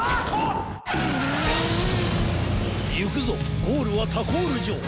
ゆくぞゴールはタコールじょう！